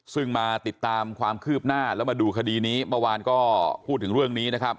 ซึ่งมาติดตามความคืบหน้าแล้วมาดูคดีนี้เมื่อวานก็พูดถึงเรื่องนี้นะครับ